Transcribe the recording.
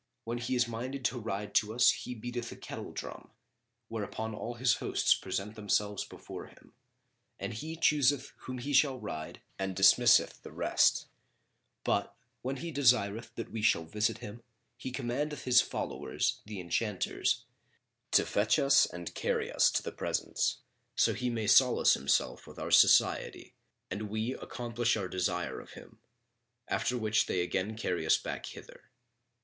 When he is minded to ride to us he beateth a kettle drum, whereupon all his hosts present themselves before him and he chooseth whom he shall ride and dismisseth the rest; but, when he desireth that we shall visit him, he commandeth his followers, the enchanters, to fetch us and carry us to the presence; so he may solace himself with our society and we accomplish our desire of him; after which they again carry us back hither.